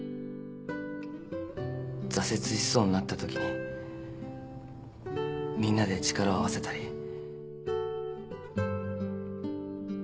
挫折しそうになったときにみんなで力を合わせたり。